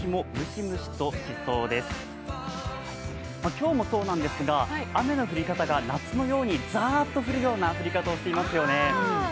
今日もそうなんですが、雨の降り方が夏のようにザーッと降るような振り方をしてますよね。